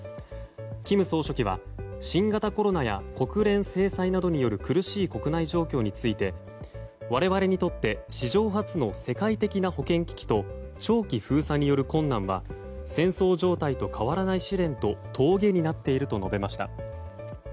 金総書記は新型コロナや国連制裁などによる苦しい国内状況について我々にとって史上初の世界的な保健危機と長期封鎖による困難は戦争状態と変わらない試練と峠になっていると述べました。